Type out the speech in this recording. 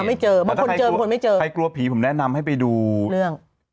ไม่เจอบางคนเจอบางคนไม่เจอใครกลัวผีผมแนะนำให้ไปดูเรื่อง